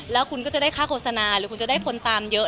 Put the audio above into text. แล้วคุณก็จะได้ค่าโฆษณาหรือคุณจะได้ผลตามเยอะ